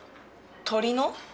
鳥の？